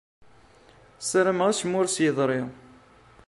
Ssarameɣ acemma ur as-yeḍri.